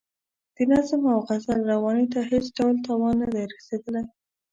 د نظم او غزل روانۍ ته هېڅ ډول تاوان نه دی رسیدلی.